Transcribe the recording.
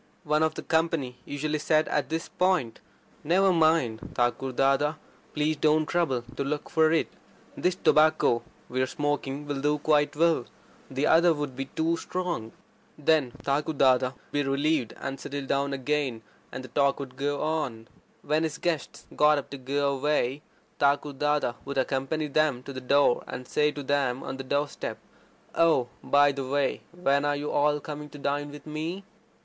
One of the company usually said at this point: "Never mind, Thakur Dada. Please don't trouble to look for it. This tobacco we're smoking will do quite well. The other would be too strong." Then Thakur Dada would be relieved, and settle down again, and the talk would go on. When his guests got up to go away, Thakur Dada would accompany them to the door, and say to them on the door step: "Oh, by the way, when are you all coming to dine with me?"